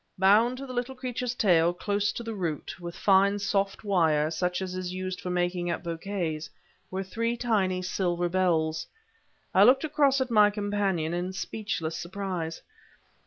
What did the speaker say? Bound to the little creature's tail, close to the root, with fine soft wire such as is used for making up bouquets, were three tiny silver bells. I looked across at my companion in speechless surprise.